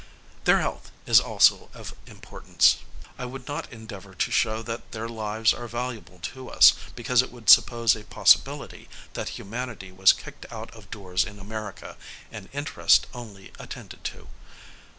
Their health is also of importance. I would not endeavor to show that their lives are valuable to us, because it would suppose a possibility, that humanity was kicked out of doors in America, and interest only attended to.